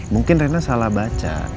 mungkin rena salah baca